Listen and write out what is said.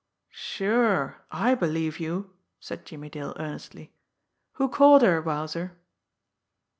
"Sure I believe you!" said Jimmie Dale earnestly. "Who caught her, Wowzer?"